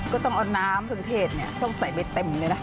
ก็ต้องเอาน้ำเครื่องเทศต้องใส่ไปเต็มเลยนะ